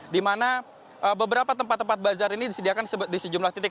di mana beberapa tempat tempat bazar ini disediakan di sejumlah titik